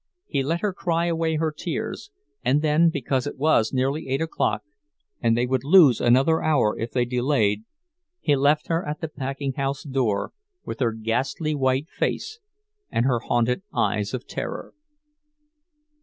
He let her cry away her tears; and then, because it was nearly eight o'clock, and they would lose another hour if they delayed, he left her at the packing house door, with her ghastly white face and her haunted eyes of terror.